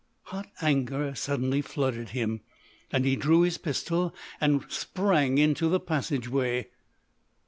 Hot anger suddenly flooded him; he drew his pistol and sprang into the passageway.